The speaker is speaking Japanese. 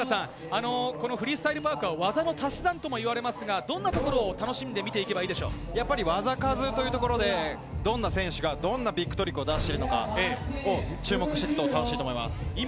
フリースタイル・パークは技の足し算とも言われますが、どんなところを楽しんで見ていけ技数というところで、どんな選手がどんなビッグトリックを出していくのか、注目していくと楽しいと思います。